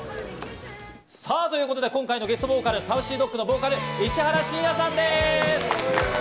ということで今回のゲストボーカル、ＳａｕｃｙＤｏｇのボーカル・石原慎也さんです。